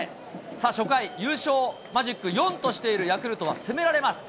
初回、優勝マジック４としているヤクルトは攻められます。